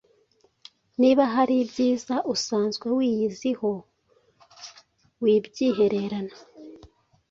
Niba hari ibyiza usanzwe wiyiziho wibyihererana